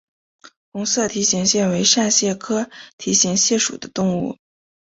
红点梯形蟹为扇蟹科梯形蟹属的动物。